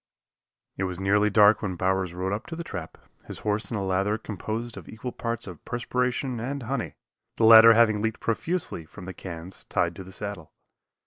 It was nearly dark when Bowers rode up to the trap, his horse in a lather composed of equal parts of perspiration and honey, the latter having leaked profusely from the cans tied to the saddle.